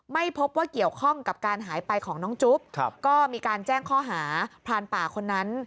ไม่พบว่าเกี่ยวข้องกับการหายไปของน้องจุ๊บก็มีการแจ้งข้อหาพรานป่าคนนั้น